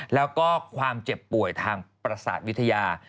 แล้วก็ความเจ็บป่วยทางประสาทวิทยา